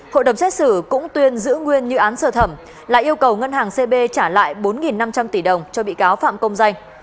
hội đồng xét xử cũng tuyên giữ nguyên như án sơ thẩm là yêu cầu ngân hàng cb trả lại bốn năm trăm linh tỷ đồng cho bị cáo phạm công danh